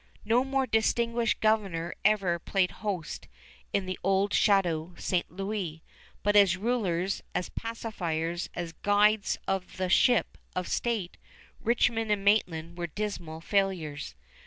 No more distinguished governor ever played host in the old Château St. Louis; but as rulers, as pacifiers, as guides of the ship of state, Richmond and Maitland were dismal failures.